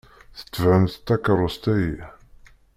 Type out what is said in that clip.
Tebɛemt takeṛṛust-ayi.